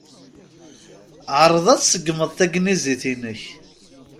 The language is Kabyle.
Ɛṛeḍ ad tseggmeḍ tagnizit-inek.